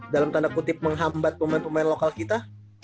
dalam tanda kutip menghambat pemain pemain lokal kita